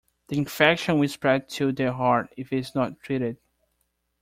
The infection will spread to the heart if it's not treated.